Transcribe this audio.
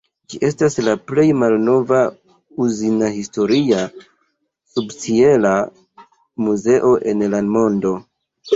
Ĝi estas la plej malnova uzin-historia subĉiela muzeo en la mondo.